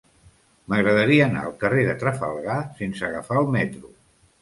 M'agradaria anar al carrer de Trafalgar sense agafar el metro.